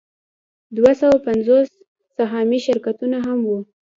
دوه سوه پنځوس سهامي شرکتونه هم وو